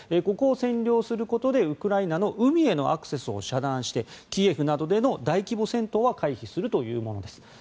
ここを占領することでウクライナの海へのアクセスを遮断してキエフなどでの大規模戦闘は回避するというものです。